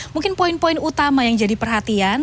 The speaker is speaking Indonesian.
mungkin poin poin utama yang jadi perhatian